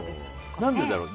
何でだろう。